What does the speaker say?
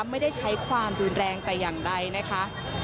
ไม่ได้ใช้ความรุนแรงแต่อย่างใดนะคะ